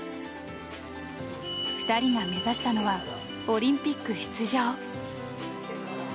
２人が目指したのはオリンピック出場。